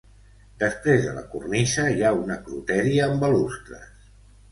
Després de la cornisa hi ha un acroteri amb balustres.